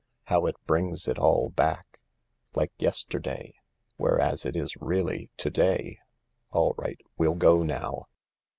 How it brings it all back ! Like yesterday. Whereas it is really to day. All right, we'll go now."